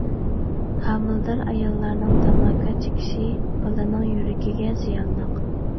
ھامىلىدار ئاياللارنىڭ تاماكا چېكىشى بالىنىڭ يۈرىكىگە زىيانلىق.